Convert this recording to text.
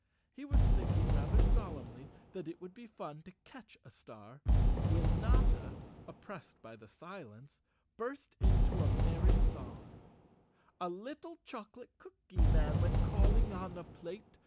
He was thinking rather solemnly that it would be fun to catch a star, when Notta, oppressed by the silence, burst into a merry song: " A little chocolate cooky man Went calling on a plate.